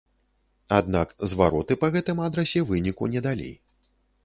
Аднак звароты па гэтым адрасе выніку не далі.